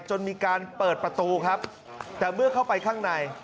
จนมีการเปิดประตูครับแต่เมื่อเข้าไปข้างใน